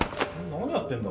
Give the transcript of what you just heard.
何やってんだ？